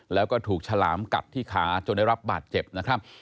แล้วก็ถูกฉลามกัดที่ขาจนได้รับบาดเจ็บนะครับ